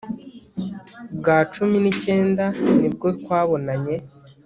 bwa cumi n'icyenda nibwo twabonanye